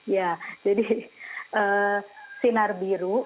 ya jadi sinar biru